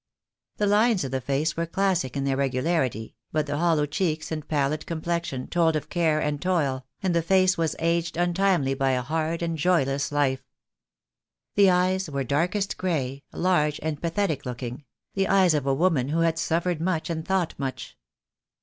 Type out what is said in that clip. The lines of the face were classic in their regularity, but the hollow cheeks and pallid complexion told of care and toil, and the face was aged untimely by a hard and joyless life. The eyes were darkest grey, large and pathetic looking, the eyes of a woman who had suffered much and thought much.